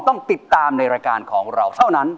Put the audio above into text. ต้องติดตามในรายการของเราเท่านั้น